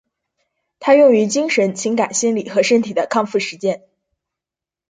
它用于精神、情感、心理和身体的康复实践。